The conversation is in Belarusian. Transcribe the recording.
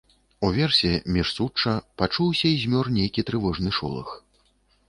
Уверсе, між сучча, пачуўся і змёр нейкі трывожны шолах.